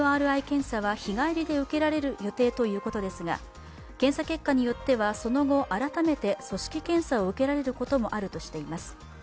ＭＲＩ検査は日帰りで受けられる予定ということですが、検査結果によってはその後、改めて組織検査を受けられることもあるとしています。